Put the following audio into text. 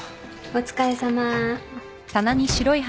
お疲れさま。